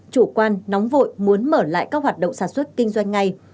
chủ quan nóng vội muốn mở lại các hoạt động sản xuất kinh doanh ngay